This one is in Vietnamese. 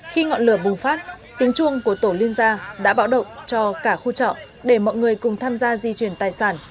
khi ngọn lửa bùng phát tính chuông của tổ liên gia đã bảo động cho cả khu trọ để mọi người cùng tham gia di chuyển tài sản